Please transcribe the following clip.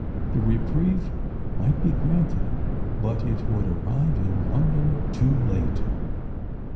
The reprieve might be granted—but it would arrive in London too late!